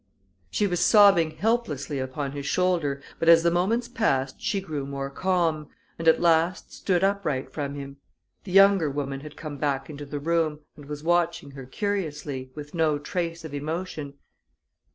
She was sobbing helplessly upon his shoulder, but as the moments passed she grew more calm, and at last stood upright from him. The younger woman had come back into the room, and was watching her curiously, with no trace of emotion.